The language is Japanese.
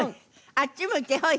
あっち向いてホイ。